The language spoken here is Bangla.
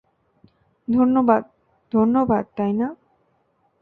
ধন্যবাদ - ধন্যবাদ - তাই না?